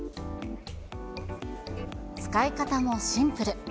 使い方もシンプル。